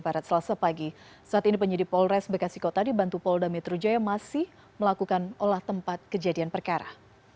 pada selasa pagi saat ini penyidik polres bekasi kota dibantu polda metro jaya masih melakukan olah tempat kejadian perkara